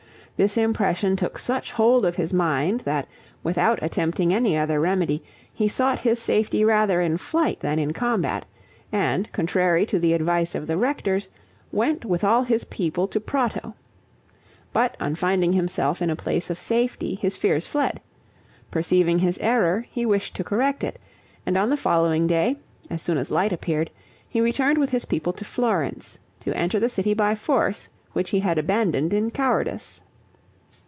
This impression took such hold of his mind that, without attempting any other remedy, he sought his safety rather in flight than in combat, and, contrary to the advice of the rectors, went with all his people to Prato. But, on finding himself in a place of safety, his fears fled; perceiving his error he wished to correct it, and on the following day, as soon as light appeared, he returned with his people to Florence, to enter the city by force which he had abandoned in cowardice.